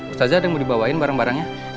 ustazah ada yang mau dibawain barang barangnya